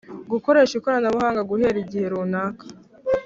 Gukoresha ikoranabuhanga guhera igihe runaka